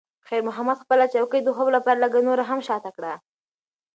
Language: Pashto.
خیر محمد خپله چوکۍ د خوب لپاره لږ نوره هم شاته کړه.